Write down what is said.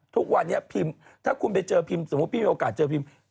ทุกวันนี้พิมพ์ถ้าคุณไปเจอพิมพ์สมมุติพี่มีโอกาสเจอพิม